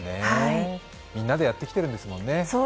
みんなでやってきてるんですもんね。